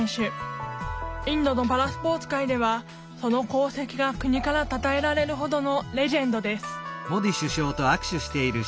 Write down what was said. インドのパラスポーツ界ではその功績が国からたたえられるほどのレジェンドです